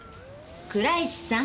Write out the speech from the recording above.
倉石さん。